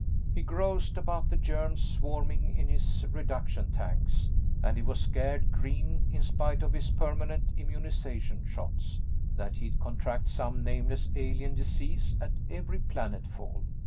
He groused about the germs swarming in his reduction tanks, and he was scared green, in spite of his permanent immunization shots, that he'd contract some nameless alien disease at every planetfall.